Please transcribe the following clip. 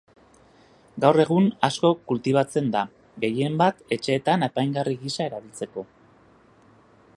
Gaur egun asko kultibatzen da, gehienbat etxeetan apaingarri gisa erabiltzeko.